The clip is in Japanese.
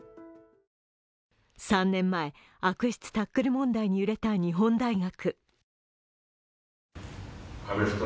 ３年前、悪質タックル問題に揺れた日本大学。